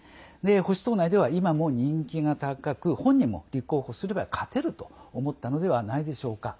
保守党内では今も人気が高く本人も立候補すれば勝てると思ったのではないでしょうか。